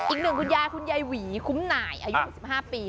อีกหนึ่งคุณยายหวีคุมหน่ายอายุ๒๕ปี